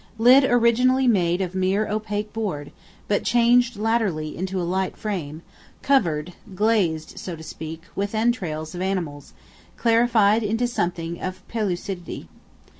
Lid originally made of mere opaque board, but changed latterly into a light frame, covered (glazed, so to speak) with entrails of animals, clarified into something of pellucidity.